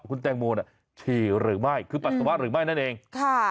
คุณแตงโมฉี่หรือไม่คือปัสสาวะหรือไม่นั่นเองค่ะ